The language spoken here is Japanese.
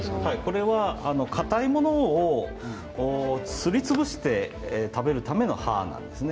これは硬いものをすり潰して食べるための歯なんですね。